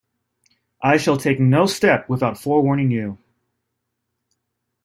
I shall take no step without forewarning you.